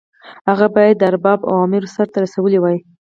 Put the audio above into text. هغه باید د ارباب اوامر سرته رسولي وای.